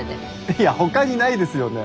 いやほかにないですよね？